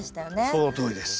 そのとおりです。